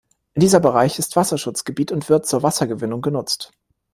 Dieser Bereich ist Wasserschutzgebiet und wird zur Wassergewinnung genutzt.